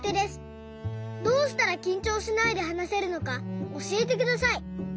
どうしたらきんちょうしないではなせるのかおしえてください」。